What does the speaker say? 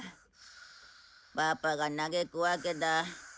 パパが嘆くわけだ。